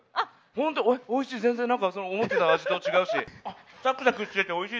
本当おいしい、全然なんか思ってた味と違うし。